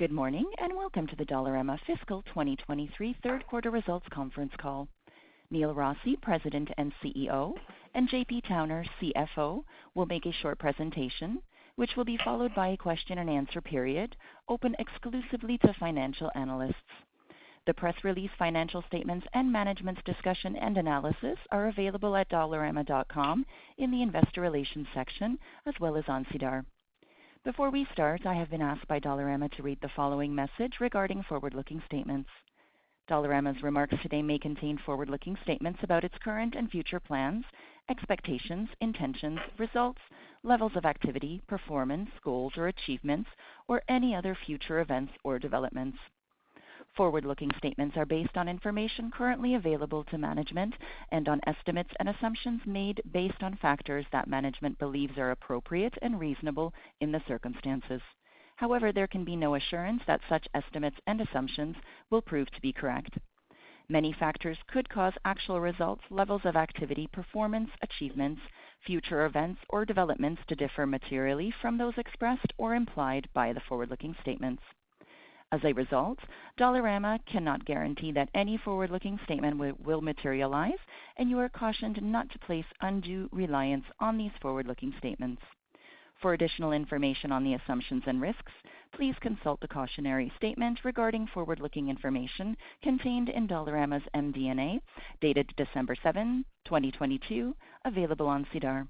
Good morning. Welcome to the Dollarama fiscal 2023 third quarter results conference call. Neil Rossy, President and CEO, and JP Towner, CFO, will make a short presentation which will be followed by a question-and-answer period open exclusively to financial analysts. The press release, financial statements and management's discussion and analysis are available at Dollarama.com in the Investor Relations section, as well as on SEDAR. Before we start, I have been asked by Dollarama to read the following message regarding forward-looking statements. Dollarama's remarks today may contain forward-looking statements about its current and future plans, expectations, intentions, results, levels of activity, performance, goals or achievements, or any other future events or developments. Forward-looking statements are based on information currently available to management and on estimates and assumptions made based on factors that management believes are appropriate and reasonable in the circumstances. There can be no assurance that such estimates and assumptions will prove to be correct. Many factors could cause actual results, levels of activity, performance, achievements, future events or developments to differ materially from those expressed or implied by the forward-looking statements. Dollarama cannot guarantee that any forward-looking statement will materialize, and you are cautioned not to place undue reliance on these forward-looking statements. For additional information on the assumptions and risks, please consult the cautionary statement regarding forward-looking information contained in Dollarama's MD&A, dated December 7, 2022, available on SEDAR.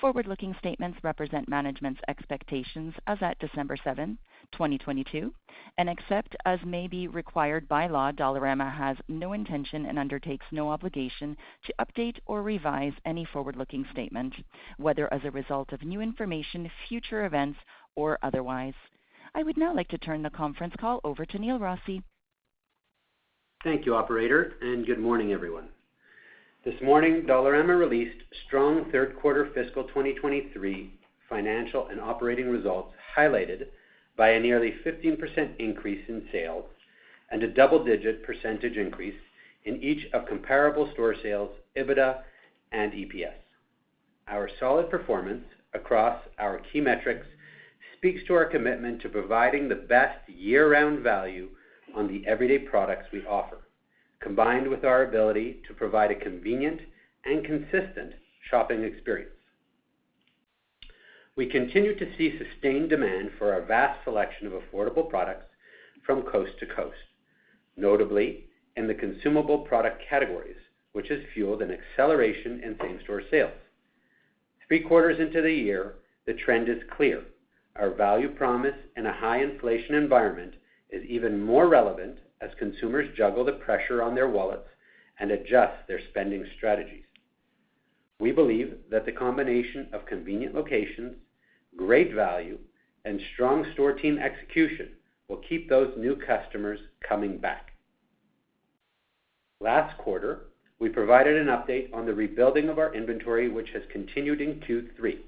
Forward-looking statements represent management's expectations as at December 7, 2022, and except as may be required by law, Dollarama has no intention and undertakes no obligation to update or revise any forward-looking statement, whether as a result of new information, future events, or otherwise. I would now like to turn the conference call over to Neil Rossy. Thank you, operator, and good morning, everyone. This morning, Dollarama released strong third quarter fiscal 2023 financial and operating results, highlighted by a nearly 15% increase in sales and a double-digit percentage increase in each of comparable store sales, EBITDA and EPS. Our solid performance across our key metrics speaks to our commitment to providing the best year-round value on the everyday products we offer, combined with our ability to provide a convenient and consistent shopping experience. We continue to see sustained demand for our vast selection of affordable products from coast to coast, notably in the consumable product categories, which has fueled an acceleration in same-store sales. Three quarters into the year, the trend is clear. Our value promise in a high inflation environment is even more relevant as consumers juggle the pressure on their wallets and adjust their spending strategies. We believe that the combination of convenient locations, great value, and strong store team execution will keep those new customers coming back. Last quarter, we provided an update on the rebuilding of our inventory, which has continued in Q3.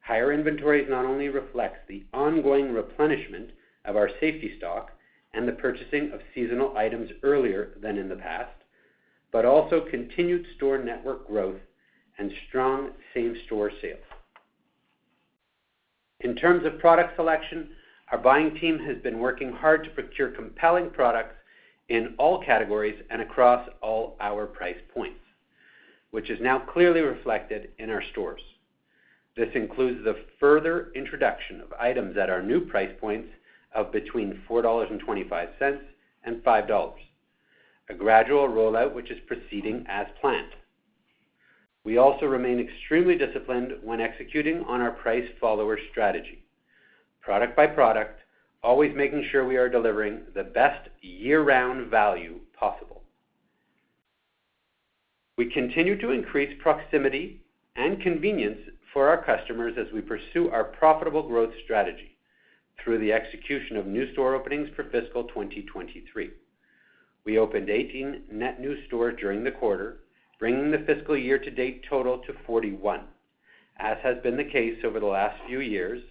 Higher inventories not only reflects the ongoing replenishment of our safety stock and the purchasing of seasonal items earlier than in the past, but also continued store network growth and strong same-store sales. In terms of product selection, our buying team has been working hard to procure compelling products in all categories and across all our price points, which is now clearly reflected in our stores. This includes the further introduction of items at our new price points of between $4.25 and $5, a gradual rollout which is proceeding as planned. We also remain extremely disciplined when executing on our price follower strategy, product by product, always making sure we are delivering the best year-round value possible. We continue to increase proximity and convenience for our customers as we pursue our profitable growth strategy through the execution of new store openings for fiscal 2023. We opened 18 net new stores during the quarter, bringing the fiscal year to date total to 41. As has been the case over the last few years,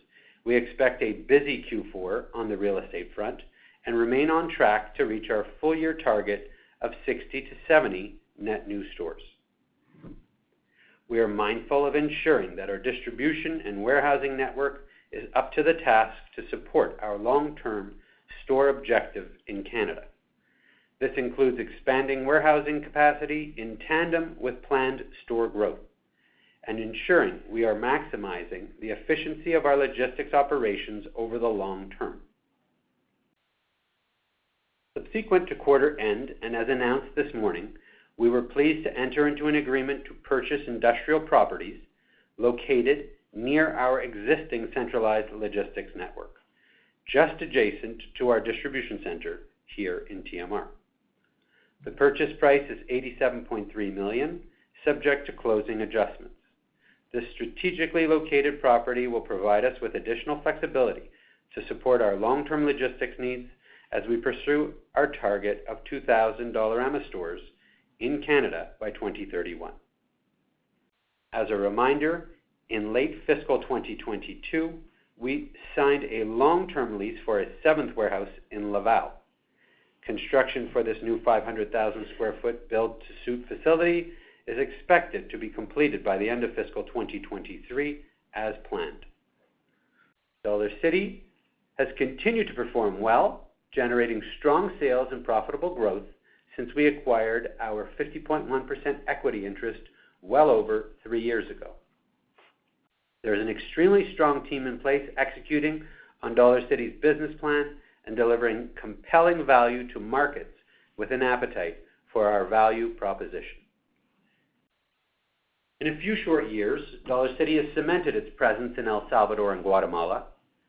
we expect a busy Q4 on the real estate front and remain on track to reach our full year target of 60-70 net new stores. We are mindful of ensuring that our distribution and warehousing network is up to the task to support our long-term store objectives in Canada. This includes expanding warehousing capacity in tandem with planned store growth and ensuring we are maximizing the efficiency of our logistics operations over the long term. Subsequent to quarter end, and as announced this morning, we were pleased to enter into an agreement to purchase industrial properties located near our existing centralized logistics network, just adjacent to our distribution center here in TMR. The purchase price is $87.3 million, subject to closing adjustments. This strategically located property will provide us with additional flexibility to support our long-term logistics needs as we pursue our target of 2,000 Dollarama stores in Canada by 2031. As a reminder, in late fiscal 2022, we signed a long-term lease for a seventh warehouse in Laval. Construction for this new 500,000 sq ft build-to-suit facility is expected to be completed by the end of fiscal 2023 as planned. Dollarcity has continued to perform well, generating strong sales and profitable growth since we acquired our 50.1% equity interest well over three years ago. There is an extremely strong team in place executing on Dollarcity's business plan and delivering compelling value to markets with an appetite for our value proposition. In a few short years, Dollarcity has cemented its presence in El Salvador and Guatemala,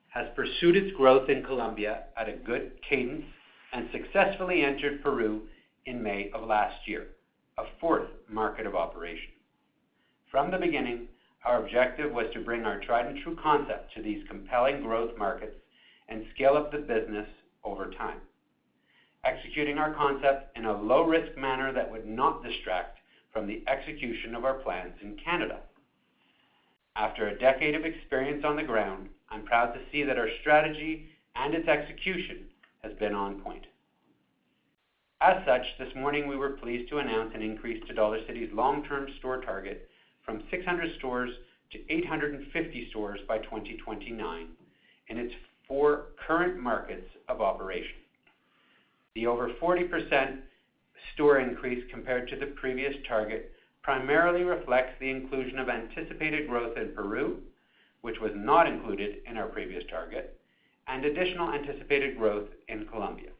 has pursued its growth in Colombia at a good cadence, and successfully entered Peru in May of last year, a fourth market of operation. From the beginning, our objective was to bring our tried-and-true concept to these compelling growth markets and scale up the business over time, executing our concept in a low-risk manner that would not distract from the execution of our plans in Canada. After a decade of experience on the ground, I'm proud to see that our strategy and its execution has been on point. This morning we were pleased to announce an increase to Dollarcity's long-term store target from 600 stores to 850 stores by 2029 in its four current markets of operation. The over 40% store increase compared to the previous target primarily reflects the inclusion of anticipated growth in Peru, which was not included in our previous target, and additional anticipated growth in Colombia.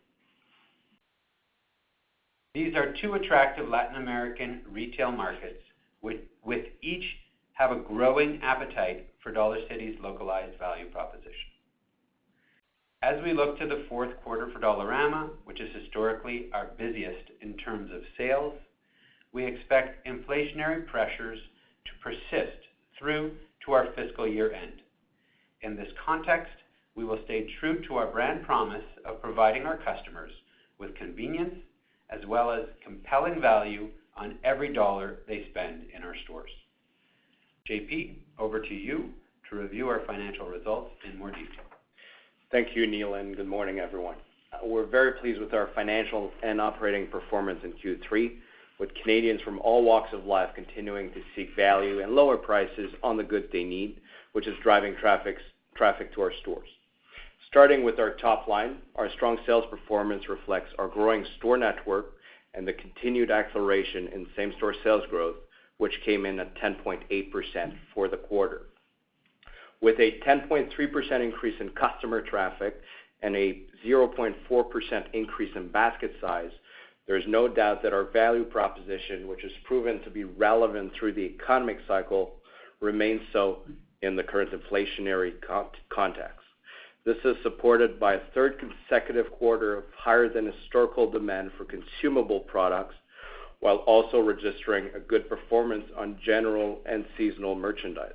These are two attractive Latin American retail markets with each have a growing appetite for Dollarcity's localized value proposition. As we look to the fourth quarter for Dollarama, which is historically our busiest in terms of sales, we expect inflationary pressures to persist through to our fiscal year-end. In this context, we will stay true to our brand promise of providing our customers with convenience as well as compelling value on every dollar they spend in our stores. JP, over to you to review our financial results in more detail. Thank you, Neil, good morning, everyone. We're very pleased with our financial and operating performance in Q3, with Canadians from all walks of life continuing to seek value and lower prices on the goods they need, which is driving traffic to our stores. Starting with our top line, our strong sales performance reflects our growing store network and the continued acceleration in same-store sales growth, which came in at 10.8% for the quarter. With a 10.3% increase in customer traffic and a 0.4% increase in basket size, there is no doubt that our value proposition, which has proven to be relevant through the economic cycle, remains so in the current inflationary context. This is supported by a third consecutive quarter of higher-than-historical demand for consumable products, while also registering a good performance on general and seasonal merchandise.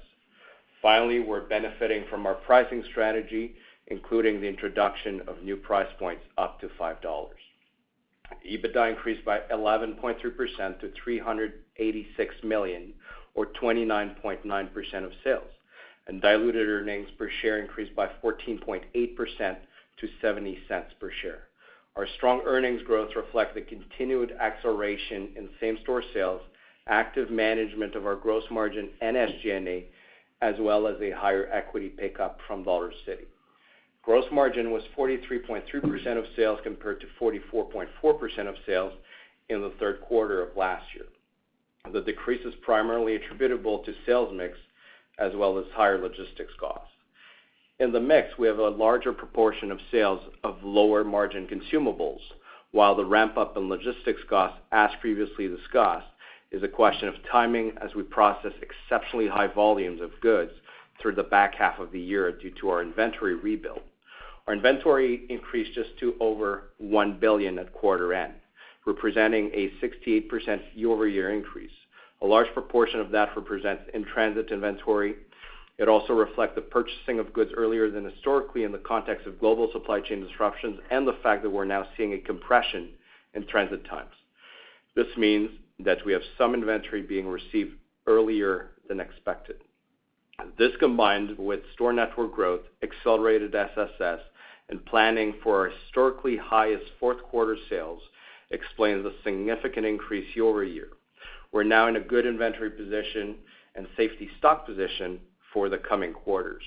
Finally, we're benefiting from our pricing strategy, including the introduction of new price points up to $5. EBITDA increased by 11.3% to $386 million, or 29.9% of sales. Diluted earnings per share increased by 14.8% to $0.70 per share. Our strong earnings growth reflects the continued acceleration in same-store sales, active management of our gross margin and SG&A, as well as a higher equity pickup from Dollarcity. Gross margin was 43.3% of sales compared to 44.4% of sales in the third quarter of last year. The decrease is primarily attributable to sales mix as well as higher logistics costs. In the mix, we have a larger proportion of sales of lower-margin consumables, while the ramp-up in logistics costs, as previously discussed, is a question of timing as we process exceptionally high volumes of goods through the back half of the year due to our inventory rebuild. Our inventory increased just to over $1 billion at quarter end, representing a 68% year-over-year increase. A large proportion of that represents in-transit inventory. It also reflects the purchasing of goods earlier than historically in the context of global supply chain disruptions and the fact that we're now seeing a compression in transit times. This means that we have some inventory being received earlier than expected. This, combined with store network growth, accelerated SSS, and planning for our historically highest fourth quarter sales, explains the significant increase year-over-year. We're now in a good inventory position and safety stock position for the coming quarters.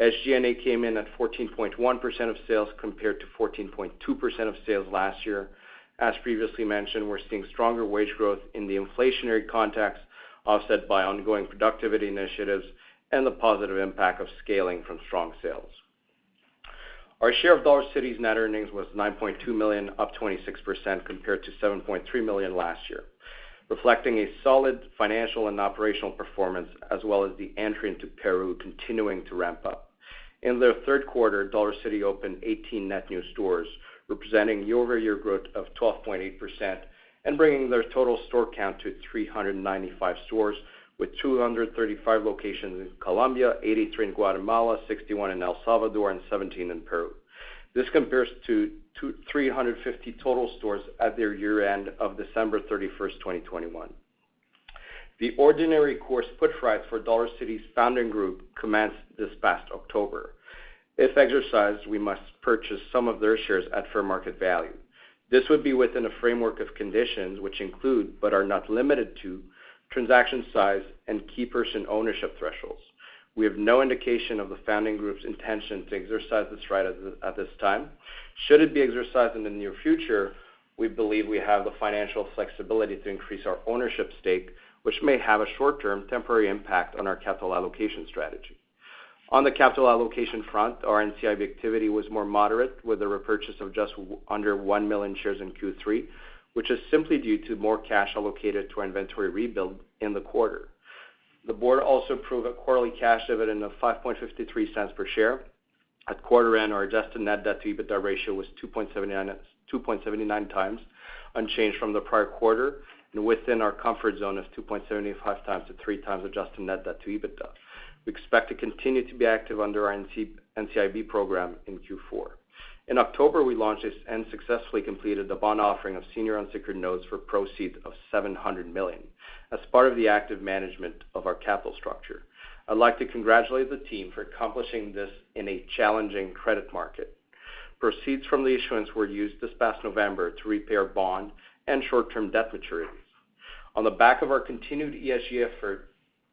SG&A came in at 14.1% of sales compared to 14.2% of sales last year. As previously mentioned, we're seeing stronger wage growth in the inflationary context, offset by ongoing productivity initiatives and the positive impact of scaling from strong sales. Our share of Dollarcity's net earnings was $9.2 million, up 26% compared to $7.3 million last year, reflecting a solid financial and operational performance, as well as the entry into Peru continuing to ramp up. In the third quarter, Dollarcity opened 18 net new stores, representing year-over-year growth of 12.8% and bringing their total store count to 395 stores, with 235 locations in Colombia, 83 in Guatemala, 61 in El Salvador, and 17 in Peru. This compares to 350 total stores at their year-end of December 31, 2021. The ordinary course put rights for Dollarcity's founding group commenced this past October. If exercised, we must purchase some of their shares at fair market value. This would be within a framework of conditions which include, but are not limited to, transaction size and key person ownership thresholds. We have no indication of the founding group's intention to exercise this right at this time. Should it be exercised in the near future, we believe we have the financial flexibility to increase our ownership stake, which may have a short-term temporary impact on our capital allocation strategy. On the capital allocation front, our NCIB activity was more moderate with a repurchase of just under 1 million shares in Q3, which is simply due to more cash allocated to our inventory rebuild in the quarter. The board also approved a quarterly cash dividend of $0.0553 per share. At quarter end, our adjusted net debt-to-EBITDA ratio was 2.79x, unchanged from the prior quarter and within our comfort zone of 2.75x-3x adjusted net debt-to-EBITDA. We expect to continue to be active under our NCIB program in Q4. In October, we launched and successfully completed the bond offering of senior unsecured notes for proceeds of $700 million as part of the active management of our capital structure. I'd like to congratulate the team for accomplishing this in a challenging credit market. Proceeds from the issuance were used this past November to repay our bond and short-term debt maturities. On the back of our continued ESG effort,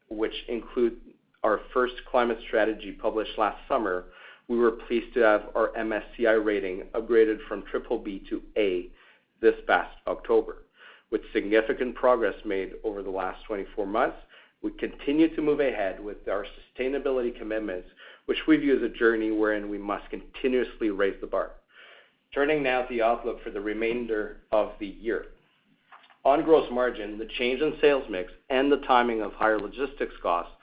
which include our first climate strategy published last summer, we were pleased to have our MSCI rating upgraded from BBB to A this past October. With significant progress made over the last 24 months, we continue to move ahead with our sustainability commitments, which we view as a journey wherein we must continuously raise the bar. Turning now to the outlook for the remainder of the year. On gross margin, the change in sales mix and the timing of higher logistics costs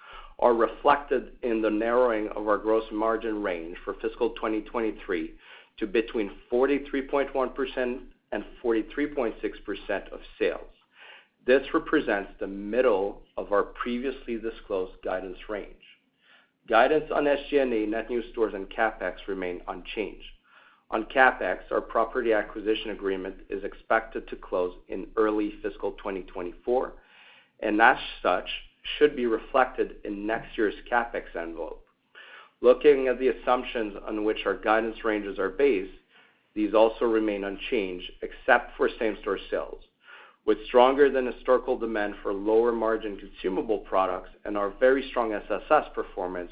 are reflected in the narrowing of our gross margin range for fiscal 2023 to between 43.1% and 43.6% of sales. This represents the middle of our previously disclosed guidance range. Guidance on SG&A, net new stores, and CapEx remain unchanged. On CapEx, our property acquisition agreement is expected to close in early fiscal 2024, and as such, should be reflected in next year's CapEx envelope. Looking at the assumptions on which our guidance ranges are based, these also remain unchanged except for same-store sales. With stronger than historical demand for lower-margin consumable products and our very strong SSS performance,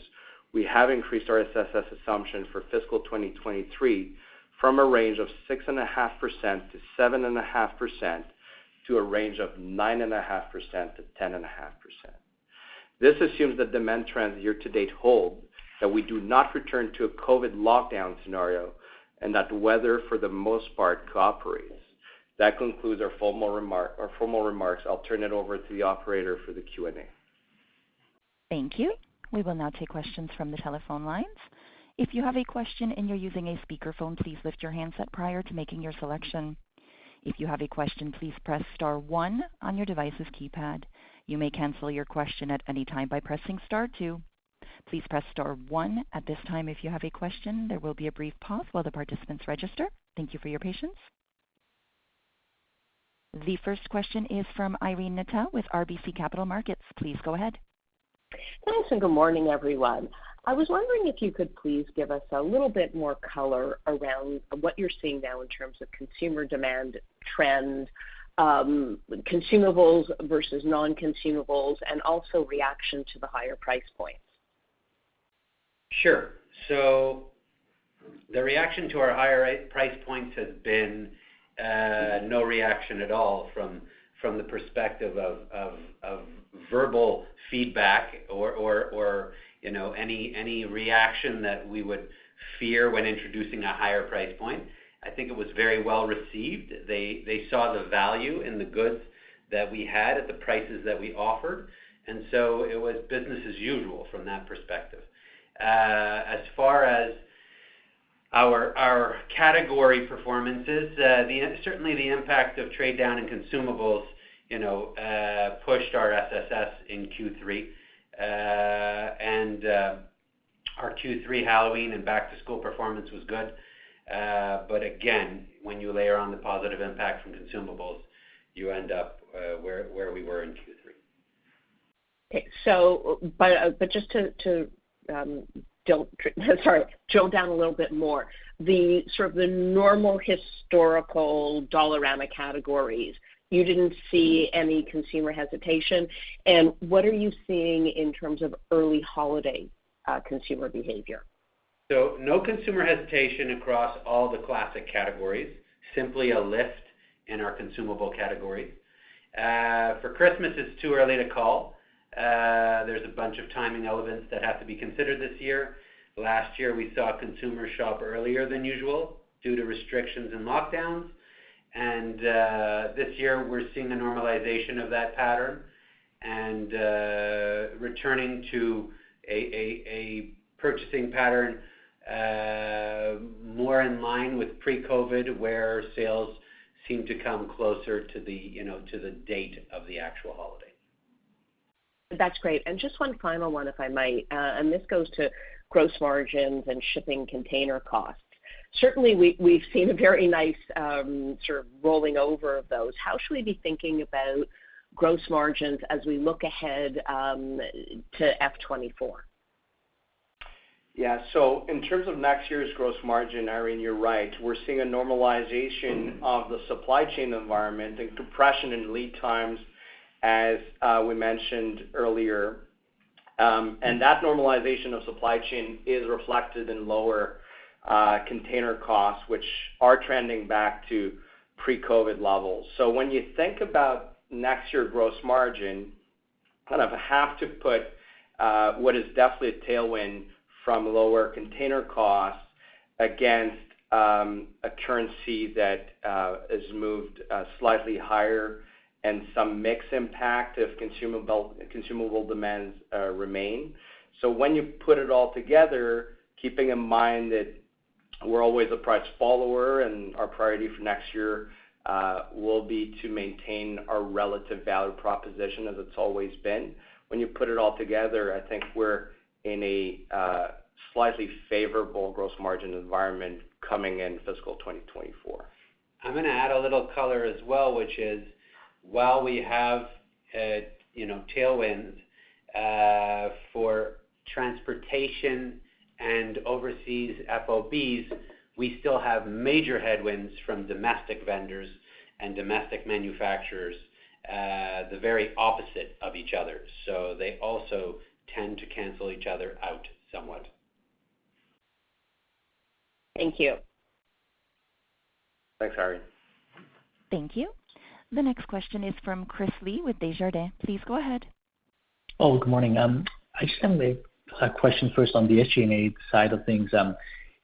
we have increased our SSS assumption for fiscal 2023 from a range of 6.5%-7.5% to a range of 9.5%-10.5%. This assumes that demand trends year-to-date hold, that we do not return to a COVID lockdown scenario, and that the weather, for the most part, cooperates. That concludes our formal remarks. I'll turn it over to the operator for the Q&A. Thank you. We will now take questions from the telephone lines. If you have a question and you're using a speakerphone, please lift your handset prior to making your selection. If you have a question, please press star one on your device's keypad. You may cancel your question at any time by pressing star two. Please press star one at this time if you have a question. There will be a brief pause while the participants register. Thank you for your patience. The first question is from Irene Nattel with RBC Capital Markets. Please go ahead. Thanks, and good morning, everyone. I was wondering if you could please give us a little bit more color around what you're seeing now in terms of consumer demand trends, consumables versus non-consumables, and also reaction to the higher price points. Sure. The reaction to our higher price points has been no reaction at all from the perspective of verbal feedback or, you know, any reaction that we would fear when introducing a higher price point. I think it was very well received. They saw the value in the goods that we had at the prices that we offered. It was business as usual from that perspective. As far as our category performances, certainly the impact of trade down in consumables, you know, pushed our SSS in Q3. Our Q3 Halloween and back-to-school performance was good. Again, when you layer on the positive impact from consumables, you end up where we were in Q3. Just to, sorry, drill down a little bit more, the sort of the normal historical Dollarama categories, you didn't see any consumer hesitation? What are you seeing in terms of early holiday, consumer behavior? No consumer hesitation across all the classic categories, simply a lift in our consumable category. For Christmas, it's too early to call. There's a bunch of timing elements that have to be considered this year. Last year, we saw consumers shop earlier than usual due to restrictions and lockdowns. This year we're seeing the normalization of that pattern and returning to a purchasing pattern more in line with pre-COVID, where sales seem to come closer to the, you know, to the date of the actual holiday. That's great. Just one final one, if I might, this goes to gross margins and shipping container costs. Certainly we've seen a very nice, sort of rolling over of those. How should we be thinking about gross margins as we look ahead, to fiscal 2024? In terms of next year's gross margin, Irene, you're right. We're seeing a normalization of the supply chain environment and compression in lead times as we mentioned earlier. That normalization of supply chain is reflected in lower container costs, which are trending back to pre-COVID levels. When you think about next year gross margin, kind of have to put what is definitely a tailwind from lower container costs against a currency that has moved slightly higher and some mix impact of consumable demands remain. When you put it all together, keeping in mind that we're always a price follower and our priority for next year will be to maintain our relative value proposition as it's always been. When you put it all together, I think we're in a slightly favorable gross margin environment coming in fiscal 2024. I'm gonna add a little color as well, which is, while we have a, you know, tailwinds, for transportation and overseas FOBs, we still have major headwinds from domestic vendors and domestic manufacturers, the very opposite of each other. They also tend to cancel each other out somewhat. Thank you. Thanks, Irene. Thank you. The next question is from Chris Li with Desjardins. Please go ahead. Good morning. I just have a question first on the SG&A side of things.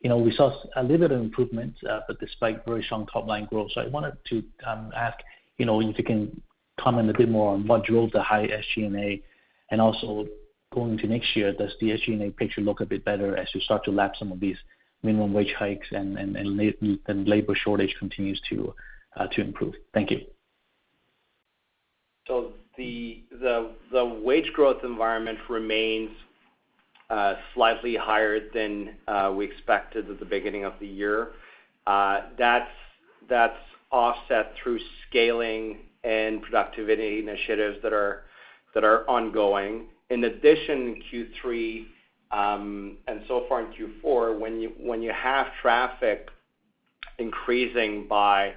You know, we saw a little bit of improvement, but despite very strong top-line growth. I wanted to ask, you know, if you can comment a bit more on what drove the high SG&A, and also going to next year, does the SG&A picture look a bit better as you start to lap some of these minimum wage hikes and labor shortage continues to improve? Thank you. The wage growth environment remains slightly higher than we expected at the beginning of the year. That's offset through scaling and productivity initiatives that are ongoing. In addition, in Q3, and so far in Q4, when you have traffic increasing by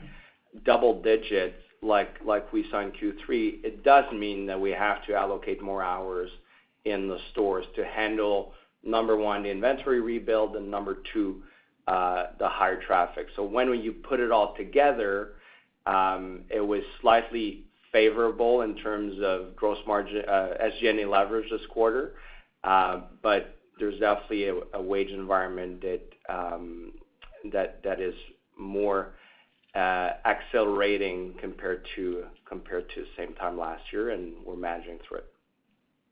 double digits, like we saw in Q3, it does mean that we have to allocate more hours in the stores to handle, number one, the inventory rebuild, and number two, the higher traffic. When you put it all together, it was slightly favorable in terms of gross margin, SG&A leverage this quarter. There's definitely a wage environment that is more accelerating compared to the same time last year, and we're managing through it.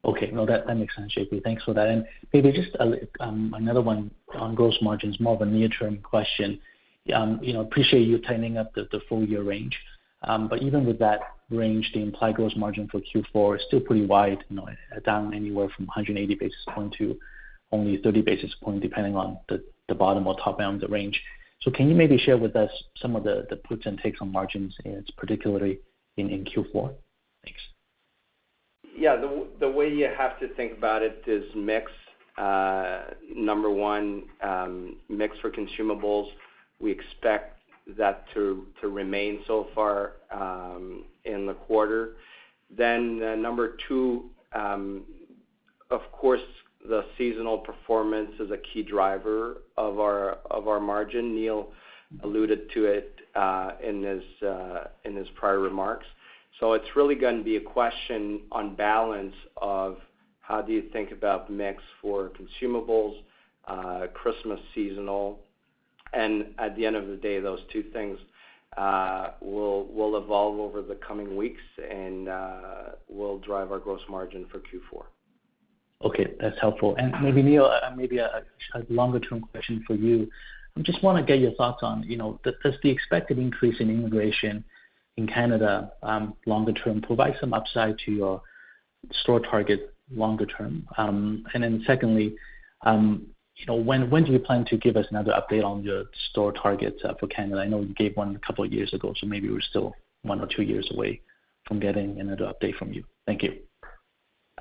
Okay. No, that makes sense, JP. Thanks for that. Maybe just another one on gross margins, more of a near-term question. You know, appreciate you tightening up the full year range. Even with that range, the implied gross margin for Q4 is still pretty wide, you know, down anywhere from 180 basis point to only 30 basis point, depending on the bottom or top end of the range. Can you maybe share with us some of the puts and takes on margins, and it's particularly in Q4? Thanks. Yeah. The way you have to think about it is mix. Number one, mix for consumables, we expect that to remain so far in the quarter. Number two, of course, the seasonal performance is a key driver of our margin. Neil alluded to it in his prior remarks. It's really gonna be a question on balance of how do you think about mix for consumables, Christmas seasonal. At the end of the day, those two things will evolve over the coming weeks and will drive our gross margin for Q4. Okay, that's helpful. Maybe Neil, maybe a longer-term question for you. I just wanna get your thoughts on, you know, does the expected increase in immigration in Canada, longer term provide some upside to your store target longer term? Secondly, you know, when do you plan to give us another update on your store targets for Canada? I know you gave one a couple of years ago, so maybe we're still one or two years away from getting another update from you. Thank you.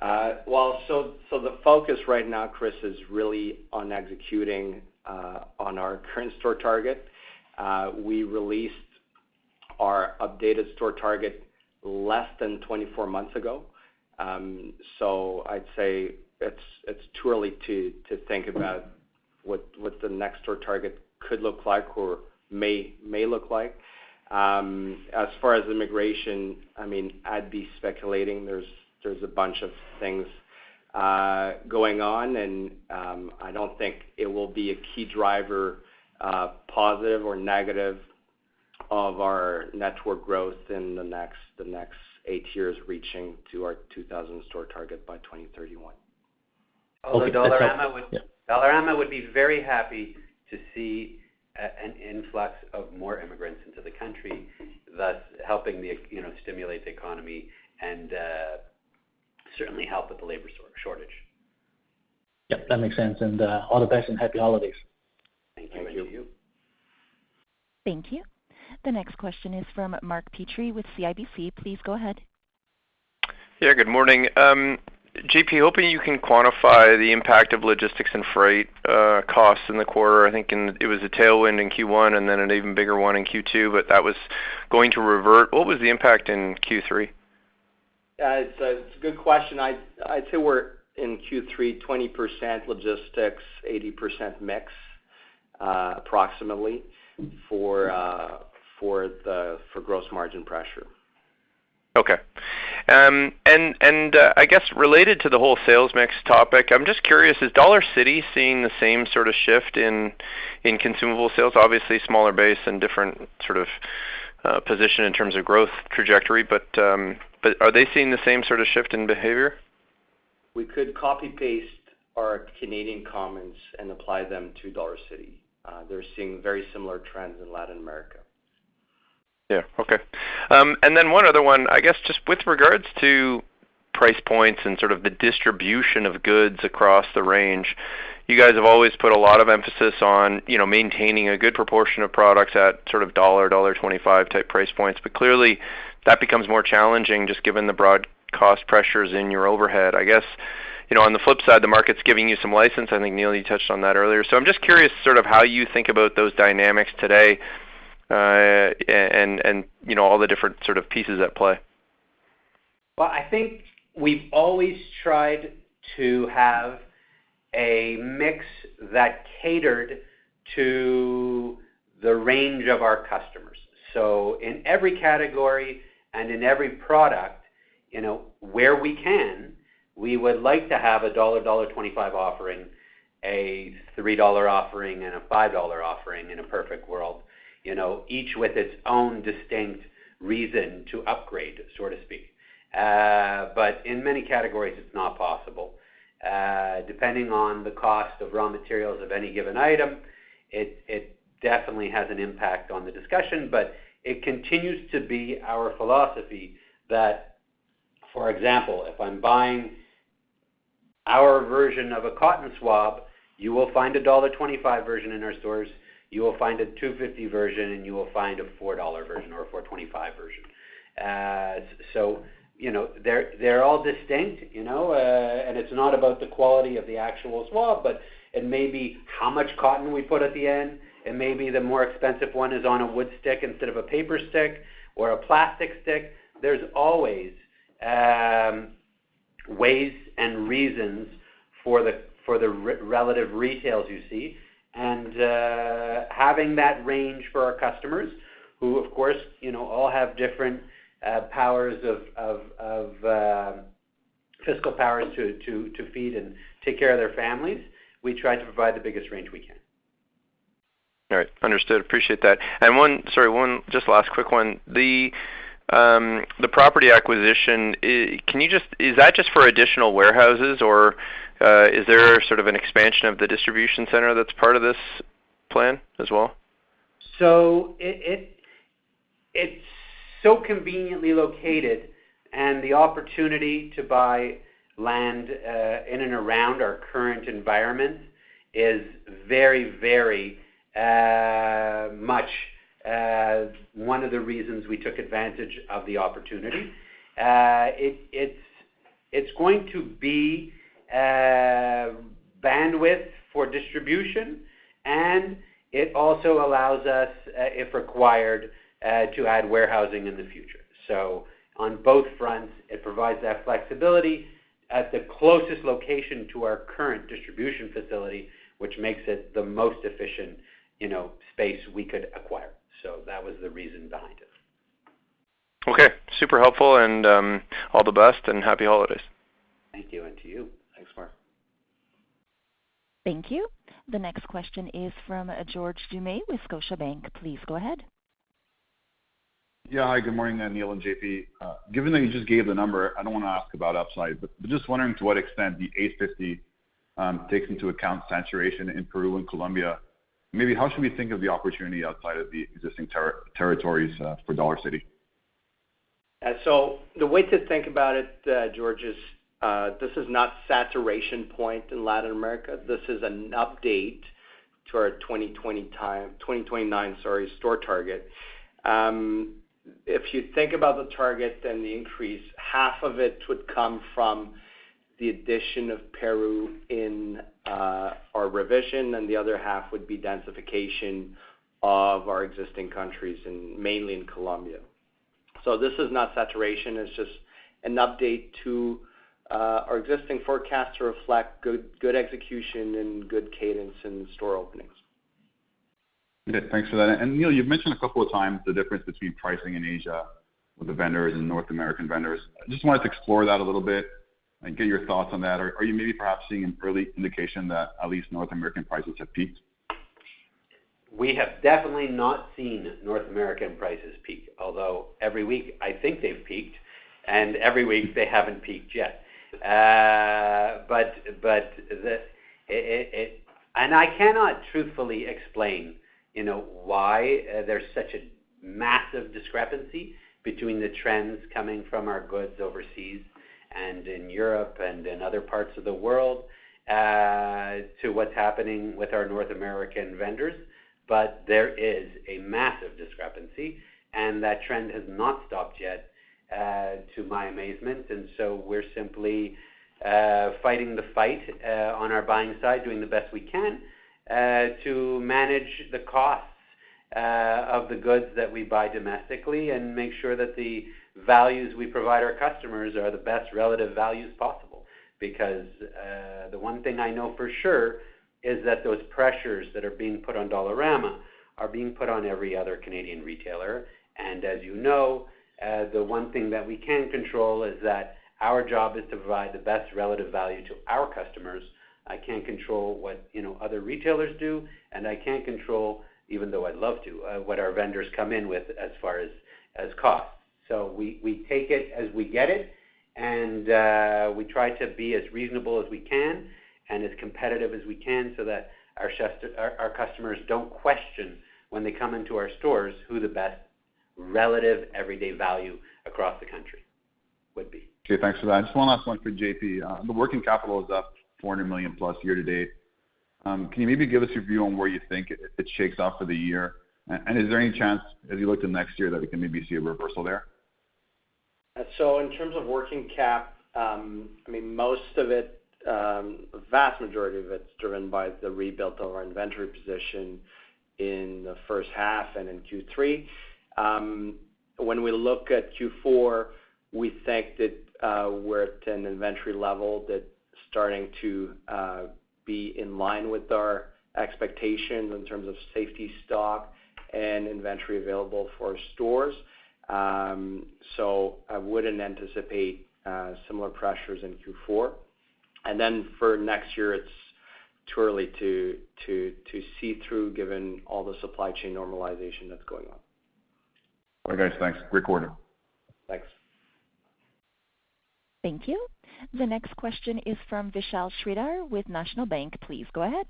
Well, the focus right now, Chris, is really on executing on our current store target. We released our updated store target less than 24 months ago. I'd say it's too early to think about what the next store target could look like or may look like. As far as immigration, I mean, I'd be speculating there's a bunch of things going on, and I don't think it will be a key driver, positive or negative of our network growth in the next eight years, reaching to our 2,000 store target by 2031. Although Dollarama Dollarama would be very happy to see an influx of more immigrants into the country, thus helping the, you know, stimulate the economy and certainly help with the labor shortage. Yep, that makes sense. All the best and happy holidays. Thank you. To you. Thank you. The next question is from Mark Petrie with CIBC. Please go ahead. Yeah, good morning. JP, hoping you can quantify the impact of logistics and freight costs in the quarter. I think It was a tailwind in Q1 and then an even bigger one in Q2, but that was going to revert. What was the impact in Q3? It's a good question. I'd say we're in Q3, 20% logistics, 80% mix, approximately for the gross margin pressure. Okay. I guess related to the whole sales mix topic, I'm just curious, is Dollarcity seeing the same sort of shift in consumable sales? Obviously, smaller base and different sort of, position in terms of growth trajectory, but, are they seeing the same sort of shift in behavior? We could copy-paste our Canadian comments and apply them to Dollarcity. They're seeing very similar trends in Latin America. Yeah. Okay. One other one, I guess just with regards to price points and sort of the distribution of goods across the range, you guys have always put a lot of emphasis on, you know, maintaining a good proportion of products at sort of $1, $1.25 type price points. Clearly that becomes more challenging just given the broad cost pressures in your overhead. I guess, you know, on the flip side, the market's giving you some license. I think, Neil, you touched on that earlier. I'm just curious sort of how you think about those dynamics today, and, you know, all the different sort of pieces at play. Well, I think we've always tried to have a mix that catered to the range of our customers. In every category and in every product, you know, where we can, we would like to have a $1, $1.25 offering, a $3 offering, and a $5 offering in a perfect world, you know, each with its own distinct reason to upgrade, so to speak. In many categories, it's not possible. Depending on the cost of raw materials of any given item, it definitely has an impact on the discussion, but it continues to be our philosophy that, for example, if I'm buying our version of a cotton swab, you will find a $1.25 version in our stores, you will find a $2.50 version, and you will find a $4 version or a $4.25 version. You know, they're all distinct, you know, and it's not about the quality of the actual swab, but it may be how much cotton we put at the end. It may be the more expensive one is on a wood stick instead of a paper stick or a plastic stick. There's always ways and reasons for the re-relative retails you see. Having that range for our customers, who, of course, you know, all have different powers of physical powers to feed and take care of their families, we try to provide the biggest range we can. All right. Understood. Appreciate that. Sorry, one just last quick one. The property acquisition, Is that just for additional warehouses, or is there sort of an expansion of the distribution center that's part of this plan as well? It's so conveniently located, and the opportunity to buy land in and around our current environment is much one of the reasons we took advantage of the opportunity. It's going to be bandwidth for distribution, and it also allows us, if required, to add warehousing in the future. On both fronts, it provides that flexibility at the closest location to our current distribution facility, which makes it the most efficient, you know, space we could acquire. That was the reason behind it. Okay. Super helpful, and, all the best and happy holidays. Thank you. To you. Thanks, Mark. Thank you. The next question is from George Doumet with Scotiabank. Please go ahead. Yeah. Hi, good morning, Neil and JP. Given that you just gave the number, I don't wanna ask about upside, but just wondering to what extent the 850 takes into account saturation in Peru and Colombia. Maybe how should we think of the opportunity outside of the existing territories for Dollarcity? The way to think about it, George, is, this is not saturation point in Latin America. This is an update to our 2029, sorry, store target. If you think about the target and the increase, half of it would come from the addition of Peru in, our revision, and the other half would be densification of our existing countries and mainly in Colombia. This is not saturation. It's just an update to our existing forecast to reflect good execution and good cadence in store openings. Okay. Thanks for that. Neil, you've mentioned a couple of times the difference between pricing in Asia with the vendors and North American vendors. I just wanted to explore that a little bit and get your thoughts on that. Or you may be perhaps seeing an early indication that at least North American prices have peaked. We have definitely not seen North American prices peak, although every week I think they've peaked, and every week they haven't peaked yet. But I cannot truthfully explain, you know, why there's such a massive discrepancy between the trends coming from our goods overseas and in Europe and in other parts of the world, to what's happening with our North American vendors. There is a massive discrepancy, and that trend has not stopped yet, to my amazement. We're simply fighting the fight on our buying side, doing the best we can to manage the costs of the goods that we buy domestically and make sure that the values we provide our customers are the best relative values possible. Because the one thing I know for sure is that those pressures that are being put on Dollarama are being put on every other Canadian retailer. As you know, the one thing that we can control is that our job is to provide the best relative value to our customers. I can't control what, you know, other retailers do, and I can't control, even though I'd love to, what our vendors come in with as far as costs. We take it as we get it, and we try to be as reasonable as we can and as competitive as we can so that our customers don't question when they come into our stores who the best relative everyday value across the country would be. Okay, thanks for that. Just one last one for JP. The working capital is up $400 million plus year-to-date. Can you maybe give us your view on where you think it shakes out for the year? Is there any chance, as you look to next year, that we can maybe see a reversal there? In terms of working cap, I mean, most of it, vast majority of it's driven by the rebuild of our inventory position in the first half and in Q3. We look at Q4, we think that we're at an inventory level that's starting to be in line with our expectations in terms of safety stock and inventory available for stores. I wouldn't anticipate similar pressures in Q4. For next year, it's too early to see through, given all the supply chain normalization that's going on. Okay, guys. Thanks. Great quarter. Thanks. Thank you. The next question is from Vishal Shreedhar with National Bank. Please go ahead.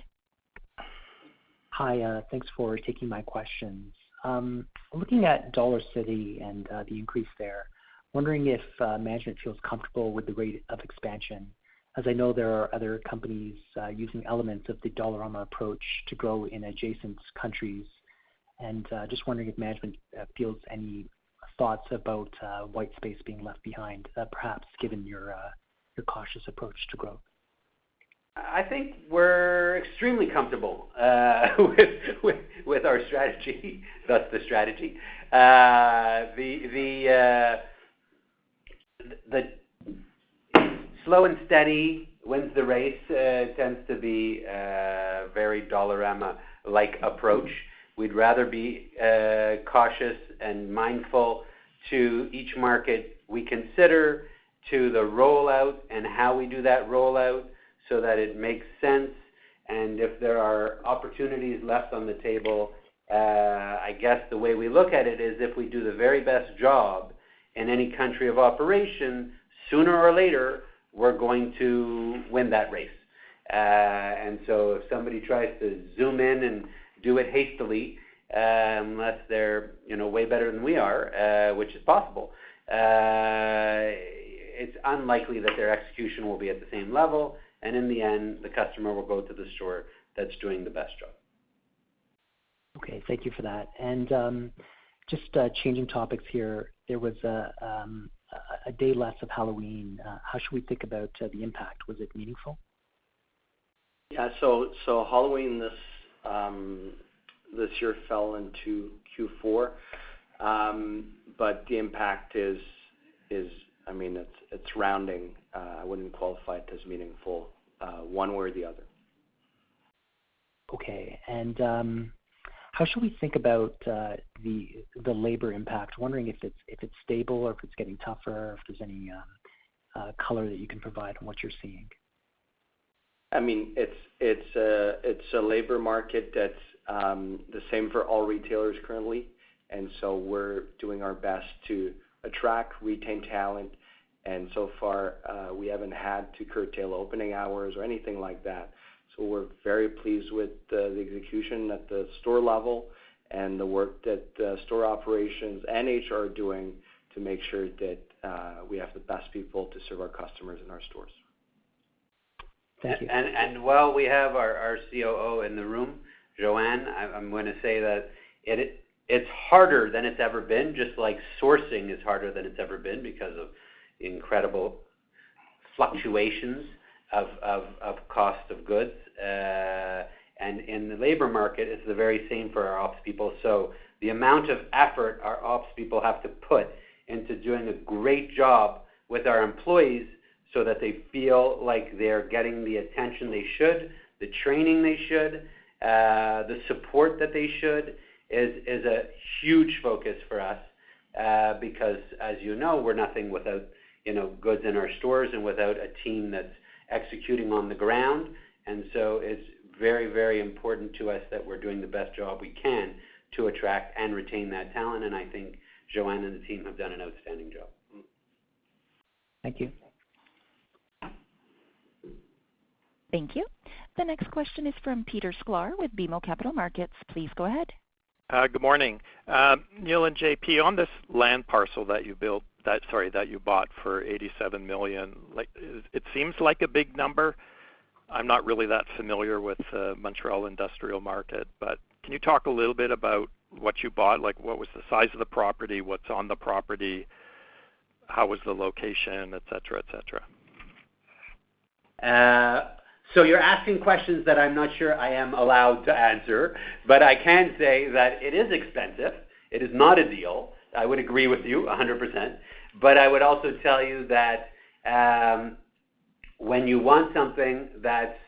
Hi, thanks for taking my questions. Looking at Dollarcity and the increase there, wondering if management feels comfortable with the rate of expansion, as I know there are other companies using elements of the Dollarama approach to grow in adjacent countries. Just wondering if management feels any thoughts about white space being left behind, perhaps given your cautious approach to growth? I think we're extremely comfortable with our strategy. Thus the strategy. The slow and steady wins the race tends to be a very Dollarama-like approach. We'd rather be cautious and mindful to each market we consider to the rollout and how we do that rollout so that it makes sense. If there are opportunities left on the table, I guess the way we look at it is if we do the very best job in any country of operation, sooner or later, we're going to win that race. If somebody tries to zoom in and do it hastily, unless they're, you know, way better than we are, which is possible, it's unlikely that their execution will be at the same level. In the end, the customer will go to the store that's doing the best job. Okay. Thank you for that. Just, changing topics here, there was a day less of Halloween. How should we think about the impact? Was it meaningful? Yeah. Halloween this year fell into Q4. The impact is, I mean, it's rounding. I wouldn't qualify it as meaningful, one way or the other. Okay. How should we think about the labor impact? Wondering if it's stable or if it's getting tougher, if there's any color that you can provide on what you're seeing. I mean, it's a, it's a labor market that's the same for all retailers currently. We're doing our best to attract, retain talent. We haven't had to curtail opening hours or anything like that. We're very pleased with the execution at the store level and the work that store operations and HR are doing to make sure that we have the best people to serve our customers in our stores. Thank you. While we have our COO in the room, Johanne, I'm gonna say that it's harder than it's ever been, just like sourcing is harder than it's ever been because of incredible fluctuations of cost of goods. In the labor market, it's the very same for our ops people. The amount of effort our ops people have to put into doing a great job with our employees so that they feel like they're getting the attention they should, the training they should, the support that they should, is a huge focus for us. Because as you know, we're nothing without, you know, goods in our stores and without a team that's executing on the ground. It's very, very important to us that we're doing the best job we can to attract and retain that talent, and I think Johanne and the team have done an outstanding job. Thank you. Thank you. The next question is from Peter Sklar with BMO Capital Markets. Please go ahead. Good morning. Neil and JP, on this land parcel sorry, that you bought for $87 million, like it seems like a big number. I'm not really that familiar with the Montreal industrial market, can you talk a little bit about what you bought? Like, what was the size of the property? What's on the property? How was the location, et cetera? You're asking questions that I'm not sure I am allowed to answer, but I can say that it is expensive. It is not a deal. I would agree with you 100%, but I would also tell you that, when you want something that's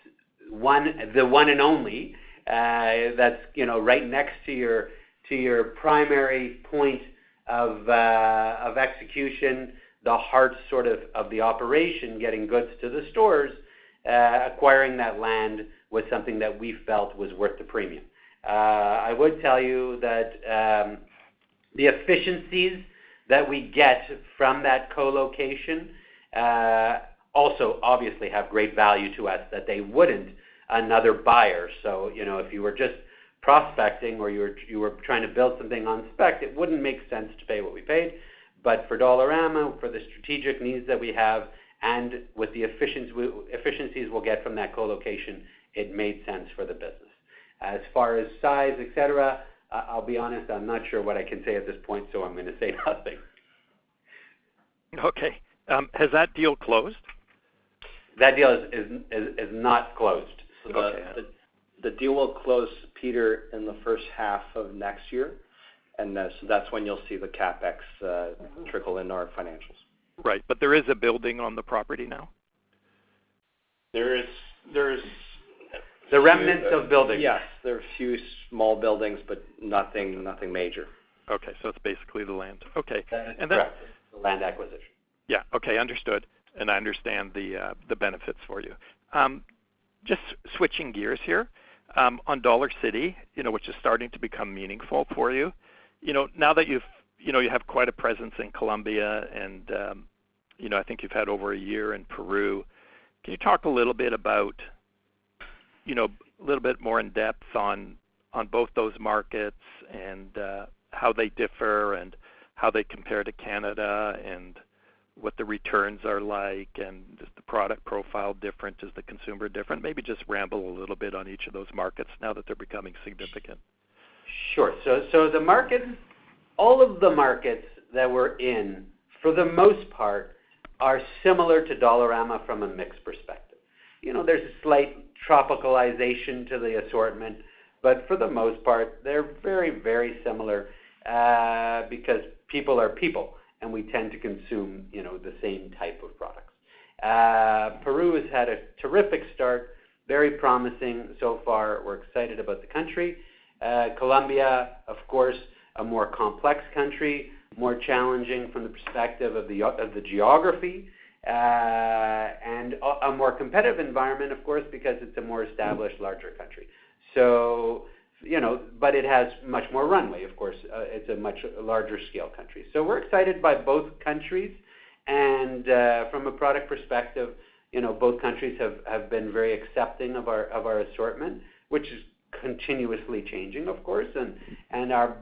the one and only, that's, you know, right next to your, to your primary point of execution, the heart sort of the operation, getting goods to the stores, acquiring that land was something that we felt was worth the premium. I would tell you that, the efficiencies that we get from that co-location, also obviously have great value to us that they wouldn't another buyer. You know, if you were just prospecting or you were trying to build something on spec, it wouldn't make sense to pay what we paid. For Dollarama, for the strategic needs that we have and with the efficiencies we'll get from that co-location, it made sense for the business. As far as size, et cetera, I'll be honest, I'm not sure what I can say at this point, so I'm gonna say nothing. Okay. Has that deal closed? That deal is not closed. The deal will close, Peter, in the first half of next year, and that's when you'll see the CapEx trickle into our financials. Right. There is a building on the property now? There is. The remnants of buildings. Yes. There are a few small buildings, but nothing major. Okay. It's basically the land. Okay. Correct. The land acquisition. Yeah. Okay, understood. I understand the benefits for you. Just switching gears here, on Dollarcity, you know, which is starting to become meaningful for you. You know, now that you've, you know, you have quite a presence in Colombia and, you know, I think you've had over a year in Peru, can you talk a little bit about, you know, a little bit more in-depth on both those markets and how they differ and how they compare to Canada and what the returns are like and is the product profile different? Is the consumer different? Maybe just ramble a little bit on each of those markets now that they're becoming significant. Sure. All of the markets that we're in, for the most part, are similar to Dollarama from a mix perspective. You know, there's a slight tropicalization to the assortment, but for the most part, they're very, very similar, because people are people, and we tend to consume, you know, the same type of products. Peru has had a terrific start, very promising so far. We're excited about the country. Colombia, of course, a more complex country, more challenging from the perspective of the geography, and a more competitive environment, of course, because it's a more established, larger country. You know, but it has much more runway, of course. It's a much larger scale country. We're excited by both countries, and from a product perspective, you know, both countries have been very accepting of our assortment, which is continuously changing, of course. And our,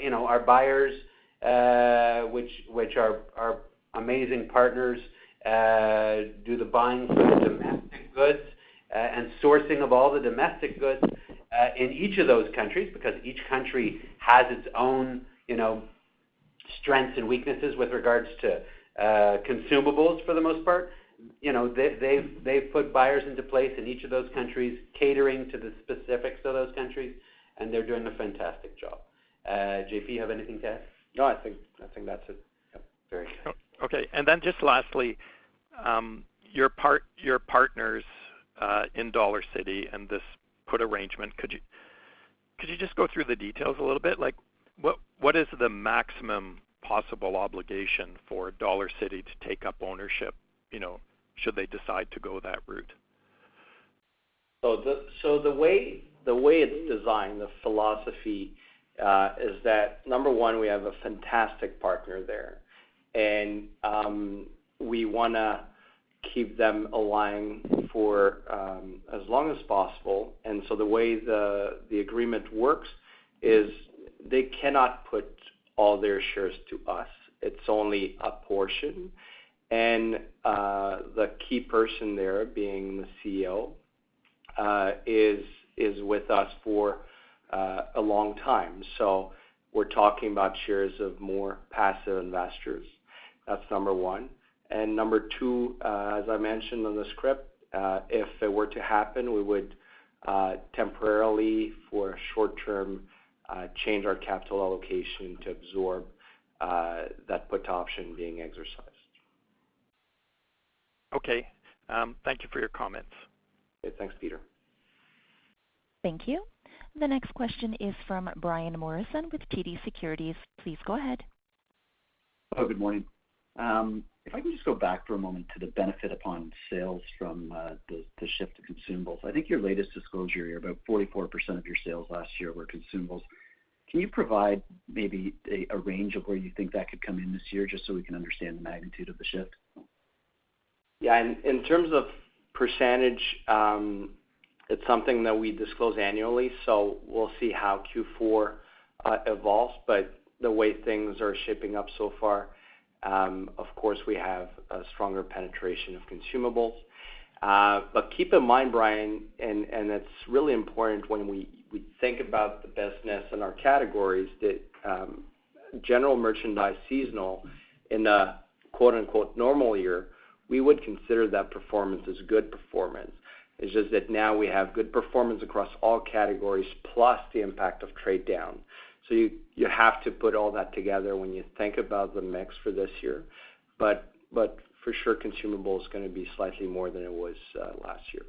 you know, our buyers, which are amazing partners, do the buying of domestic goods and sourcing of all the domestic goods in each of those countries because each country has its own, you know, strengths and weaknesses with regards to consumables for the most part. You know, they've put buyers into place in each of those countries, catering to the specifics of those countries, and they're doing a fantastic job. JP, you have anything to add? No, I think that's it. Yep. Very good. Just lastly, your partners in Dollarcity and this put arrangement, could you just go through the details a little bit? Like, what is the maximum possible obligation for Dollarcity to take up ownership, you know, should they decide to go that route? The way it's designed, the philosophy, is that, number one, we have a fantastic partner there. We wanna keep them aligned for as long as possible. The way the agreement works is they cannot put all their shares to us. It's only a portion. The key person there being the CEO, is with us for a long time. We're talking about shares of more passive investors. That's number one. Number two, as I mentioned on the script, if it were to happen, we would temporarily, for short-term, change our capital allocation to absorb that put option being exercised. Okay. Thank you for your comments. Okay. Thanks, Peter. Thank you. The next question is from Brian Morrison with TD Securities. Please go ahead. Hello, good morning. If I can just go back for a moment to the benefit upon sales from the shift to consumables. I think your latest disclosure here, about 44% of your sales last year were consumables. Can you provide maybe a range of where you think that could come in this year, just so we can understand the magnitude of the shift? Yeah. In, in terms of percentage, it's something that we disclose annually, so we'll see how Q4 evolves. The way things are shaping up so far, of course, we have a stronger penetration of consumables. Keep in mind, Brian, and it's really important when we think about the business and our categories that general merchandise seasonal in a quote-unquote, "normal year," we would consider that performance as good performance. It's just that now we have good performance across all categories plus the impact of trade down. You, you have to put all that together when you think about the mix for this year. For sure, consumable is gonna be slightly more than it was last year.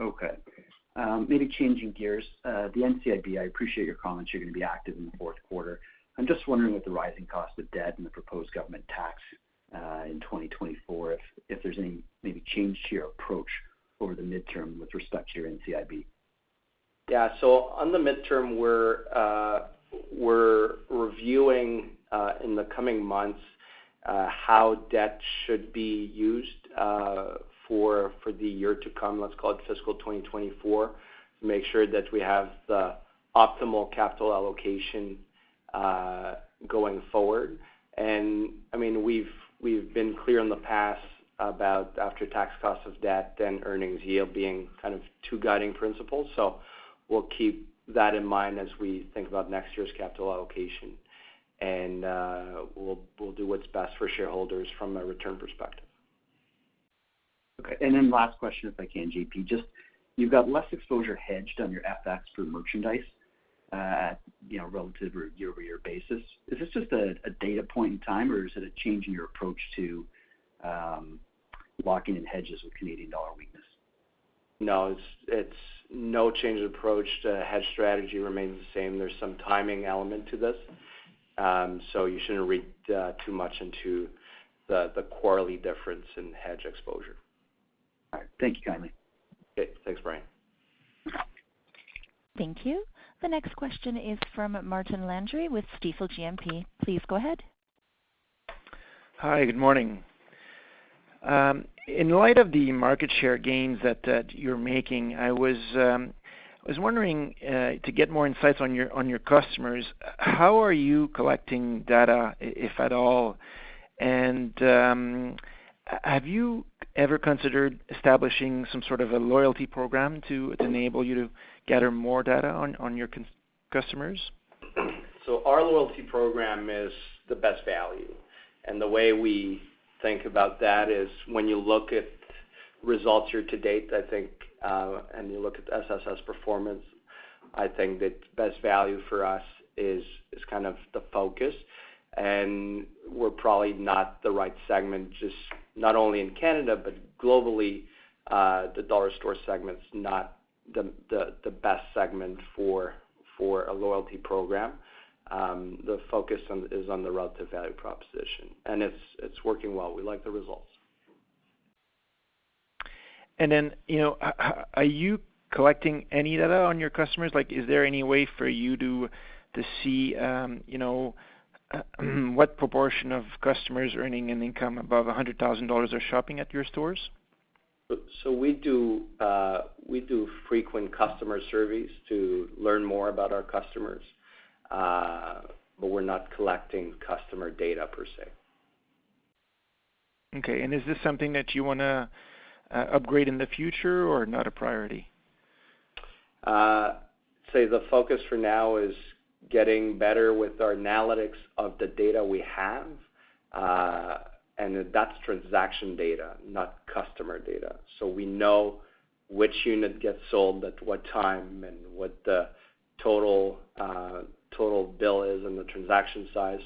Okay. Maybe changing gears. The NCIB, I appreciate your comments. You're gonna be active in the fourth quarter. I'm just wondering with the rising cost of debt and the proposed government tax in 2024, if there's any maybe change to your approach over the midterm with respect to your NCIB? Yeah. On the midterm, we're reviewing, in the coming months, how debt should be used, for the year to come, let's call it fiscal 2024, to make sure that we have the optimal capital allocation, going forward. I mean, we've been clear in the past about after tax cost of debt and earnings yield being kind of 2 guiding principles. We'll keep that in mind as we think about next year's capital allocation. We'll do what's best for shareholders from a return perspective. Okay. Then last question, if I can, JP. Just you've got less exposure hedged on your FX through merchandise, you know, relative or year-over-year basis. Is this just a data point in time, or is it a change in your approach to locking in hedges with Canadian dollar weakness? No. It's no change in approach. The hedge strategy remains the same. There's some timing element to this, so you shouldn't read too much into the quarterly difference in hedge exposure. All right. Thank you. Okay, thanks, Brian. Thank you. The next question is from Martin Landry with Stifel GMP. Please go ahead. Hi, good morning. In light of the market share gains that you're making, I was wondering to get more insights on your customers, how are you collecting data, if at all? Have you ever considered establishing some sort of a loyalty program to enable you to gather more data on your customers? Our loyalty program is the best value, and the way we think about that is when you look at results year to date, I think, and you look at SSS performance, I think the best value for us is kind of the focus. We're probably not the right segment, just not only in Canada, but globally, the dollar store segment's not the best segment for a loyalty program. The focus is on the relative value proposition, and it's working well. We like the results. Then, you know, are you collecting any data on your customers? Like, is there any way for you to see, you know, what proportion of customers earning an income above $100,000 are shopping at your stores? We do frequent customer surveys to learn more about our customers, but we're not collecting customer data per se. Okay. Is this something that you wanna upgrade in the future or not a priority? Say the focus for now is getting better with our analytics of the data we have, and that's transaction data, not customer data. We know which unit gets sold at what time and what the total bill is and the transaction size.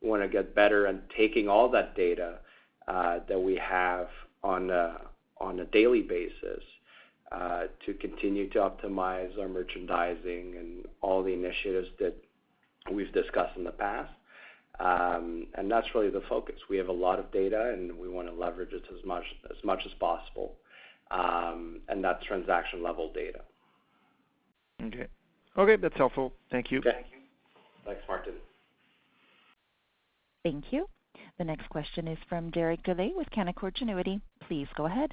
We wanna get better and taking all that data that we have on a daily basis to continue to optimize our merchandising and all the initiatives that we've discussed in the past. That's really the focus. We have a lot of data, and we wanna leverage it as much as possible, and that's transaction-level data. Okay. Okay, that's helpful. Thank you. Okay. Thanks, Martin. Thank you. The next question is from Derek Dley with Canaccord Genuity. Please go ahead.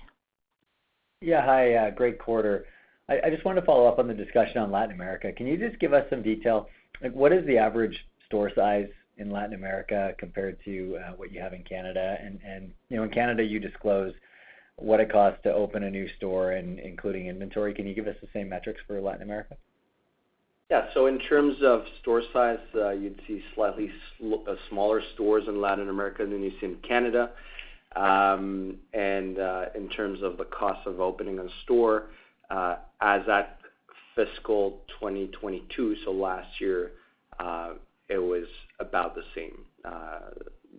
Yeah. Hi. Great quarter. I just want to follow up on the discussion on Latin America. Can you just give us some detail? Like, what is the average store size in Latin America compared to what you have in Canada? You know, in Canada, you disclose what it costs to open a new store including inventory. Can you give us the same metrics for Latin America? Yeah. In terms of store size, you'd see slightly smaller stores in Latin America than you see in Canada. In terms of the cost of opening a store, as at fiscal 2022, so last year, it was about the same.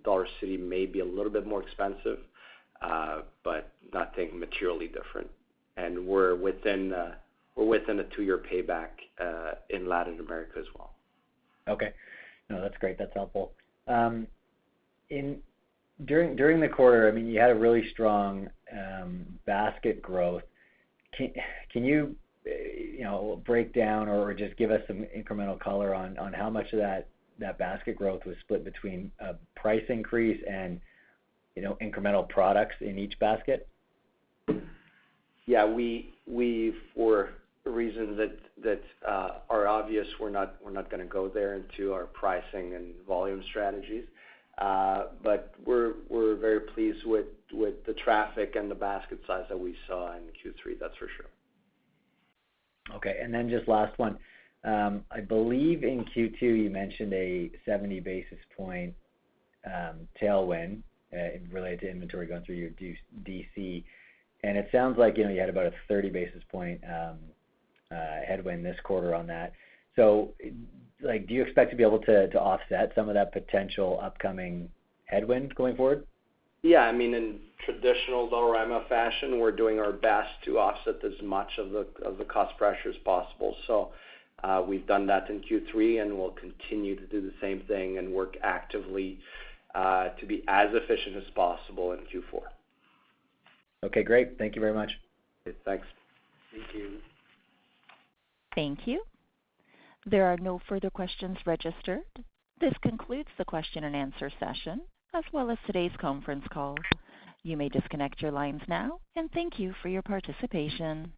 Dollarcity may be a little bit more expensive, but nothing materially different. We're within a two-year payback in Latin America as well. Okay. No, that's great. That's helpful. During the quarter, I mean, you had a really strong basket growth. Can you know, break down or just give us some incremental color on how much of that basket growth was split between price increase and, you know, incremental products in each basket? Yeah. We for reasons that are obvious, we're not gonna go there into our pricing and volume strategies. We're very pleased with the traffic and the basket size that we saw in Q3, that's for sure. Okay. Just last one. I believe in Q2 you mentioned a 70 basis point tailwind related to inventory going through your DC. It sounds like, you know, you had about a 30 basis point headwind this quarter on that. Like, do you expect to be able to offset some of that potential upcoming headwind going forward? Yeah. I mean, in traditional Dollarama fashion, we're doing our best to offset as much of the cost pressure as possible. We've done that in Q3, and we'll continue to do the same thing and work actively to be as efficient as possible in Q4. Okay, great. Thank you very much. Thanks. Thank you. Thank you. There are no further questions registered. This concludes the question-and-answer session as well as today's conference call. You may disconnect your lines now, and thank you for your participation.